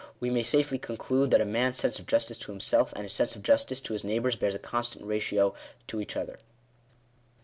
101 \ we may safely conclude that a man's sense of justice to him self, and his sense of justice to his neighbours, bear a constant | K / ratio to each other.